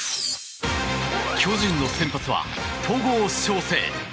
巨人の先発は戸郷翔征。